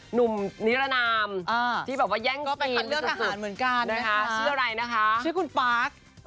หนุ่มนิรนามที่แบบว่าแย่งศีลสุดสุดนะคะชื่ออะไรนะคะคุณปาร์ค